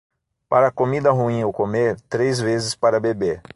Para comida ruim ou comer, três vezes para beber.